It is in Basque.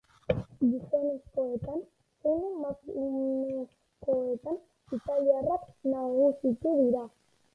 Gizonezkoetan zein emakumezkoetan italiarrak nagusitu dira.